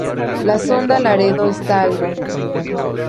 La sonda Laredo está al norte.